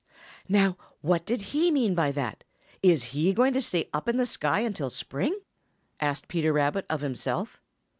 "Now what did he mean by that? Is he going to stay up in the sky until spring?" asked Peter Rabbit of himself.